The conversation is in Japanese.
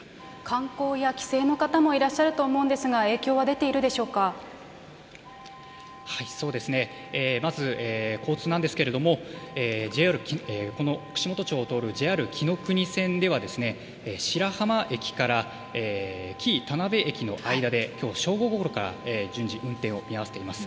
観光や帰省の方もいらっしゃると思うんですが、影響は出ていそうですね、まず交通なんですけれども、ＪＲ、串本町を通るＪＲきのくに線では白浜駅から紀伊田辺駅の間で、きょう正午ごろから順次運転を見合わせています。